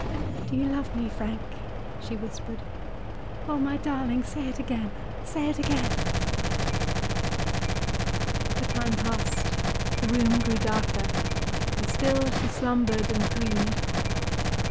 "Do you love me, Frank?" she whispered. "Oh, my darling, say it again! say it again!" The time passed, the room grew darker; and still she slumbered and dreamed.